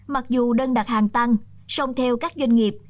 mặc dù đơn đặt hàng tăng song theo các doanh nghiệp